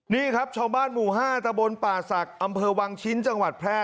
นี่ครับชาวบ้านหมู่๕ตะบนป่าศักดิ์อำเภอวังชิ้นจังหวัดแพร่